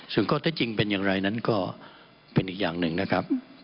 ส่วนข้อเท็จจริงเป็นอย่างไรนั้นก็เป็นอีกอย่างหนึ่งนะครับ